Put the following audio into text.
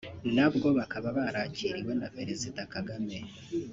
nabwo bakaba barakiriwe na Perezida Kagame